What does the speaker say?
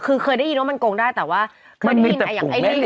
คือเคยได้ยินว่ามันโกงได้แต่ว่ามีแต่ฝูงเมล็ด